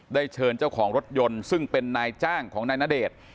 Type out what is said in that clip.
เชิญเจ้าของรถยนต์ซึ่งเป็นนายจ้างของนายณเดชน์